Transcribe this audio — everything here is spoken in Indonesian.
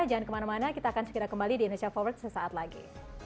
jangan kemana mana kita akan segera kembali di indonesia forward sesaat lagi